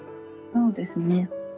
そうですね。